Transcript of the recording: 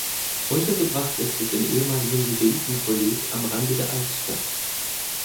Untergebracht ist es im ehemaligen Jesuitenkolleg am Rande der Altstadt.